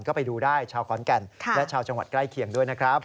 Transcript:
ก็ไปดูได้ชาวขอนแก่นและชาวจังหวัดใกล้เคียงด้วยนะครับ